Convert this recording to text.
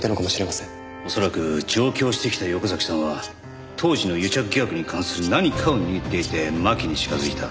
恐らく上京してきた横崎さんは当時の癒着疑惑に関する何かを握っていて巻に近づいた。